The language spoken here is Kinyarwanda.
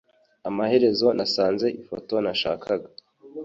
Amaherezo nasanze ifoto nashakaga.